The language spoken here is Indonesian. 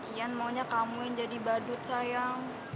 ian maunya kamu yang jadi badut sayang